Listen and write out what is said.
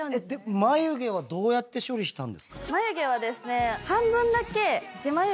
眉毛はどうやって処理したんですか？